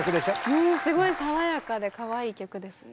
うんすごい爽やかでかわいい曲ですね。